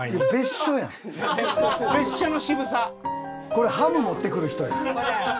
これハム持ってくる人やん。